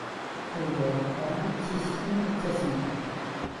Azgen ameqqran d tismin i ttasment.